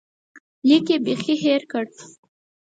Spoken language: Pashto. لیک یې بیخي هېر کړ.